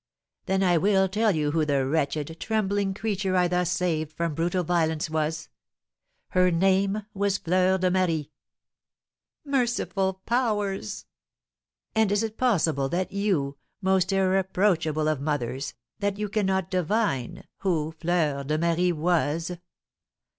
"Then I will tell you who the wretched, trembling creature I thus saved from brutal violence was. Her name was Fleur de Marie!" "Merciful powers!" "And is it possible that you, most irreproachable of mothers, that you cannot divine who Fleur de Marie was?"